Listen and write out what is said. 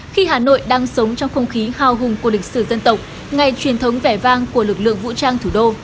khi hà nội đang sống trong không khí hào hùng của lịch sử dân tộc ngày truyền thống vẻ vang của lực lượng vũ trang thủ đô